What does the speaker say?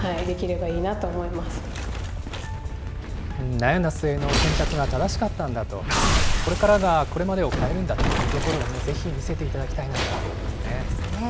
悩んだ末の選択が正しかったんだと、これからが、これまでを変えるんだというところを、ぜひ見せていただきたいなと思いますそうですね。